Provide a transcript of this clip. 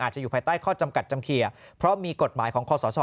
จะอยู่ภายใต้ข้อจำกัดจำเคลียร์เพราะมีกฎหมายของคอสช